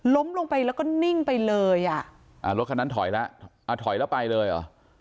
ล้มลงไปแล้วก็นิ่งไปเลยอ่ะอ่ารถคันนั้นถอยแล้วอ่าถอยแล้วไปเลยเหรอ